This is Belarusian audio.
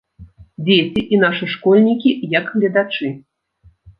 Дзеці, і нашы школьнікі, як гледачы.